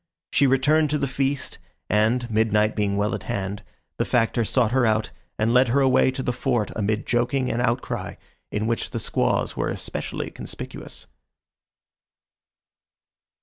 She returned to the feast, and, midnight being well at hand, the Factor sought her out and led her away to the Fort amid joking and outcry, in which the squaws were especially conspicuous.